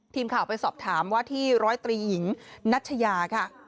ทีมข่าวไปสอบถามว่าที่ร้อยตรีหญิงนัชยาค่ะ